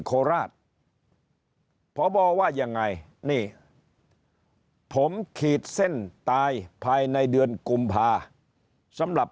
โคราชพบว่ายังไงนี่ผมขีดเส้นตายภายในเดือนกุมภาสำหรับ